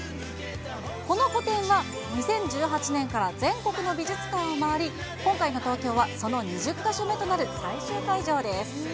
この個展は、２０１８年から全国の美術館を回り、今回の東京はその２０か所目となる最終会場です。